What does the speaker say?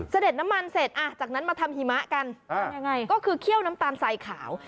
เด็ดน้ำมันเสร็จจากนั้นมาทำหิมะกันก็คือเคี่ยวน้ำตาลสายขาว